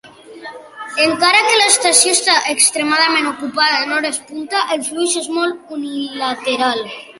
Encara que la estació està extremadament ocupada en hores punta, el flux és molt unilateral.